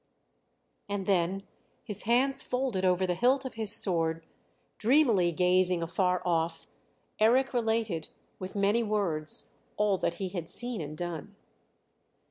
And then, his hands folded over the hilt of his sword, dreamily gazing afar off, Eric related, with many words, all he had seen and done.